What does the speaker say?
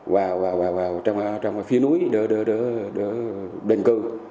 vào trong phía núi để đền cư